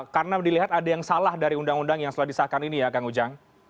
karena dilihat ada yang salah dari undang undang yang sudah disahkan ini ya kang ujang